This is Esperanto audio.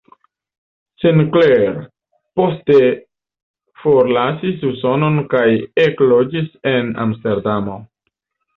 Sinclair poste forlasis Usonon kaj ekloĝis en Amsterdamo.